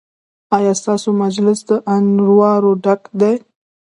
ایا ستاسو مجلس له انوارو ډک دی؟